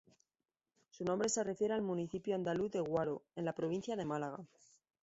Su nombre se refiere al municipio andaluz de Guaro, en la provincia de Málaga.